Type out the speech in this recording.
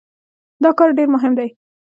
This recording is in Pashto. دا کار ډېر مهم دی.